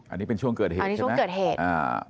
อันนี้เป็นช่วงเกิดเหตุอันนี้ช่วงเกิดเหตุอ่า